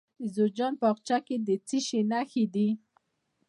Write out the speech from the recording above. د جوزجان په اقچه کې د څه شي نښې دي؟